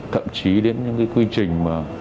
thậm chí đến những quy trình